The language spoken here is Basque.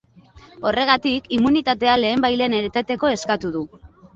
Horregatik, immunitatea lehenbailehen eteteko eskatu du.